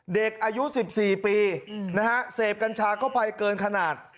เด็กอายุ๑๔ปีนะฮะเสพกัญชาก็ไปเกินขนาด